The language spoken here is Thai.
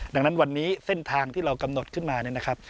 ดังนั้นวันนี้เส้นทางที่เรากำหนดขึ้นมาเนี่ยนะครับ